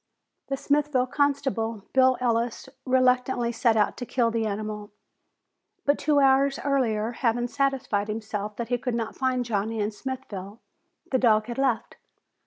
The Smithville constable, Bill Ellis, reluctantly set out to kill the animal. But two hours earlier, having satisfied himself that he would not find Johnny in Smithville, the dog had left.